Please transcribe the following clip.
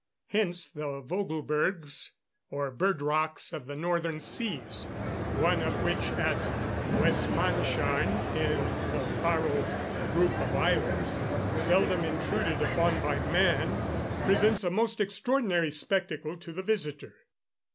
Hence the Vogel bergs, or bird rocks of the northern seas, one of which at Westmannsharn in the Faroe group of islands, seldom intruded upon by man, presents a most extraordinary spectacle to the visitor.